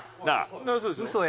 そうですよ。